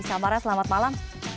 samara selamat malam